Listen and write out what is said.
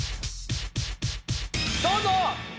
どうぞ！